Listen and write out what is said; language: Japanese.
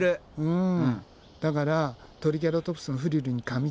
うん。